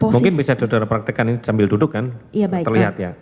mungkin bisa saudara praktekkan ini sambil duduk kan terlihat ya